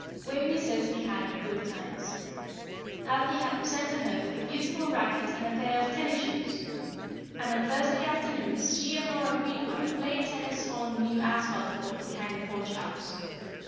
Waveney certainly had her good times. Althea had presented her with a beautiful racket and a pair of tennis shoes, and on Thursday afternoons she and Nora Greenwell played tennis on the new asphalt court behind the Porch House.